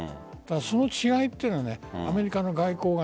その違いというのはアメリカの外交部